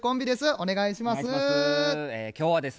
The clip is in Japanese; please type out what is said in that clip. お願いします。